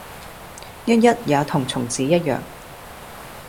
——也同蟲子一樣，